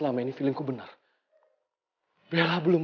lo masih masih tahu apa from rabbah